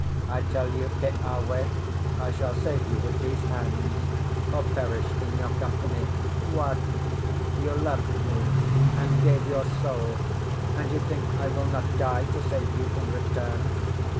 I tell you, Keawe, I shall save you with these hands, or perish in your company. What! you loved me, and gave your soul, and you think I will not die to save you in return?"